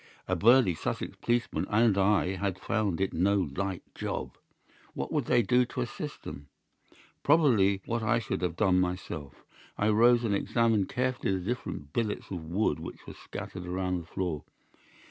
A burly Sussex policeman and I had found it no light job. What would they do to assist them? Probably what I should have done myself. I rose and examined carefully the different billets of wood which were scattered round the floor.